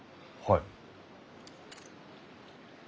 はい。